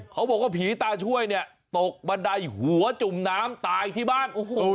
เขาบอกว่าผีตาช่วยเนี่ยตกบันไดหัวจุ่มน้ำตายที่บ้าน